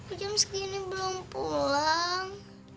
ujam segini belum pulang